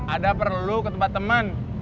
ada perlu ke tempat teman